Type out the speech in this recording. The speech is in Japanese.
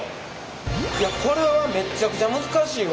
いやこれはめっちゃくちゃ難しいわ。